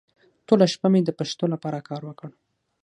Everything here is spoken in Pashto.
ټوله شپه مې د پښتو لپاره کار وکړ.